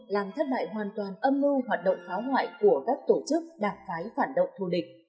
làm thất bại hoàn toàn âm mưu hoạt động phá hoại của các tổ chức đảng phái phản động thù địch